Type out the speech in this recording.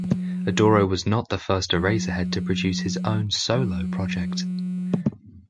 Adoro was not the first Eraserhead to produce his own solo project.